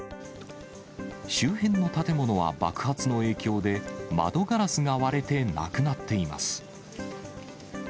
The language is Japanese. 周辺の建物は爆発の影響で窓ガラスが割れて、なくなっています。